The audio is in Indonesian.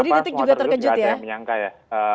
kenapa semua terkejut gak ada yang menyangka ya